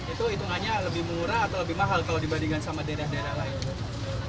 itu hitungannya lebih murah atau lebih mahal kalau dibandingkan sama daerah daerah lain